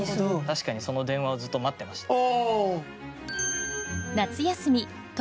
確かにその電話をずっと待ってました。